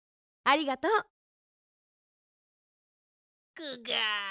ありがとう。グガ。